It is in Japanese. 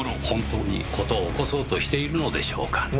本当に事を起こそうとしているのでしょうか？